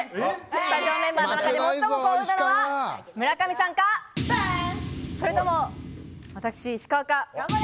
スタジオメンバーの中で最も幸運なのは、村上さんか、それとも私、石川か。